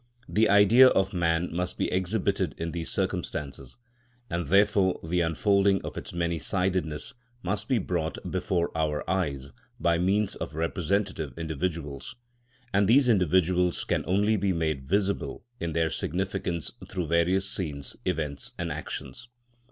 The Idea of man must be exhibited in these circumstances, and therefore the unfolding of its many sidedness must be brought before our eyes by means of representative individuals, and these individuals can only be made visible in their significance through various scenes, events, and actions.